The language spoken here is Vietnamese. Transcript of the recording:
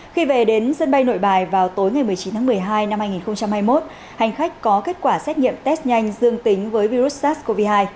khi về đến sân bay nội bài vào tối ngày một mươi chín tháng một mươi hai năm hai nghìn hai mươi một hành khách có kết quả xét nghiệm test nhanh dương tính với virus sars cov hai